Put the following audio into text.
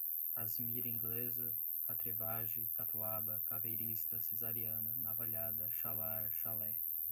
casimira inglesa, catrevage, catuaba, caveirista, cesariana, navalhada, chalar, chalé